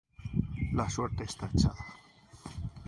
La suerte esta echada.